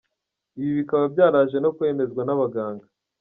Ibi bikaba byaraje no kwemezwa n’abaganga.